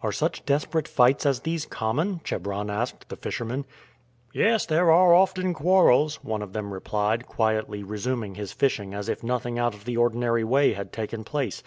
"Are such desperate fights as these common?" Chebron asked the fishermen. "Yes; there are often quarrels," one of them replied, quietly resuming his fishing as if nothing out of the ordinary way had taken place.